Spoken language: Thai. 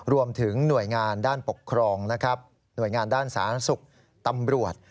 รวมถึงหน่วยงานด้านปกครองนะครับหน่วยงานด้านสาธารณสุขตำรวจ